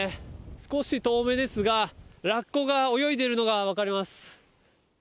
少し遠めですがラッコが泳いでいるのが分かります。